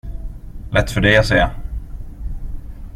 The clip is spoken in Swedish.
Lätt för dig att säga.